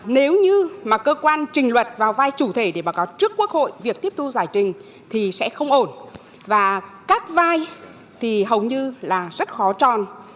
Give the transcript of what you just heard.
nếu như mà cơ quan trình luật vào vai chủ thể để báo cáo trước quốc hội việc tiếp thu giải trình thì sẽ không ổn và các vai thì hầu như là rất khó tròn